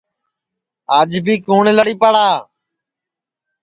آج بھی کُوٹؔ لڑی پڑا